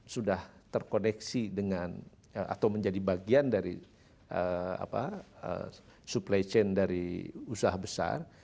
sudah terkoneksi dengan atau menjadi bagian dari supply chain dari usaha besar